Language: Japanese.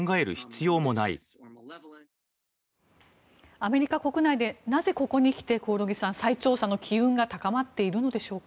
アメリカ国内でなぜ、ここに来て興梠さん、再調査の機運が高まっているのでしょうか。